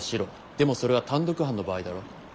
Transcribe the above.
でもそれは単独犯の場合だろ？